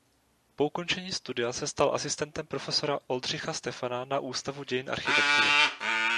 Po ukončení studia se stal asistentem profesora Oldřicha Stefana na Ústavu dějin architektury.